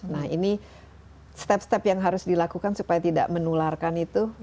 nah ini step step yang harus dilakukan supaya tidak menularkan itu